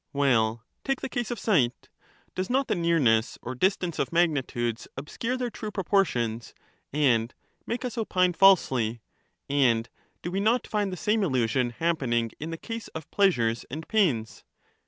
Well, take the case of sight. Does not the nearness or distance of magnitudes pbscure their true proportions, and make us opine falsely ; and do we not find the same illusion happening in the case of pleasures and pains